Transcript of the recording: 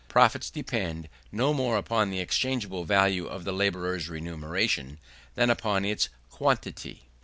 Profits depend no more upon the exchangeable value of the labourer's remuneration, than upon its quantity.